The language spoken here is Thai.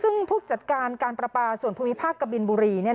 ซึ่งผู้จัดการการประปาส่วนภูมิภาคกะบินบุรี